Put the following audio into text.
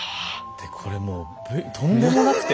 でこれもうとんでもなくて。